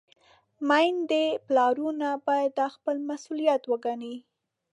میندې، پلرونه باید دا خپل مسؤلیت وګڼي.